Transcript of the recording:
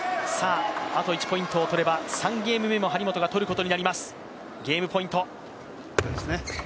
あと１ポイントを取れば３ゲーム目も張本が取ることになります。